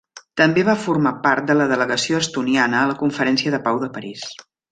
També va formar part de la delegació estoniana a la Conferència de Pau de París.